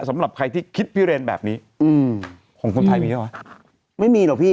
สำหรับใครที่คิดพิเรนแบบนี้อืมของคนไทยมีเยอะไหมไม่มีหรอกพี่